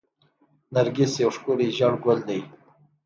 نرجس یو ښکلی ژیړ ګل دی